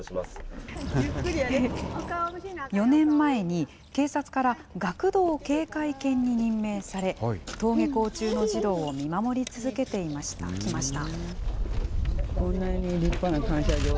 ４年前に、警察から学童警戒犬に任命され、登下校中の児童を見守り続けてきました。